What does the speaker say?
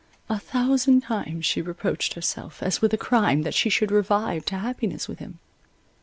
A thousand times she reproached herself, as with a crime, that she should revive to happiness with him.